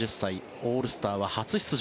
オールスターは初出場。